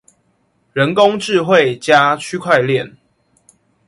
人工智慧加區塊鏈